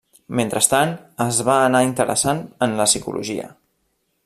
Mentrestant, es va anar interessant en la psicologia.